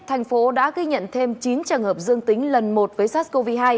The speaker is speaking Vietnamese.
thành phố đã ghi nhận thêm chín trường hợp dương tính lần một với sars cov hai